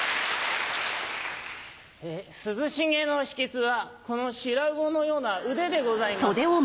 涼しげの秘訣はこの白魚のような腕でございます。